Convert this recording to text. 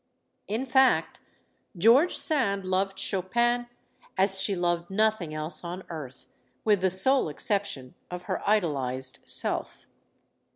In fact, George Sand loved Chopin as she loved nothing else on earth with the sole exception of her idolized self.